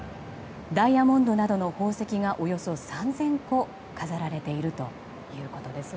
ダイヤモンドなどの宝石がおよそ３０００個飾られているということです。